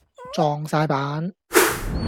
撞哂板